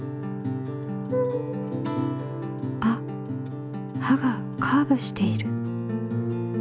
あっ刃がカーブしている。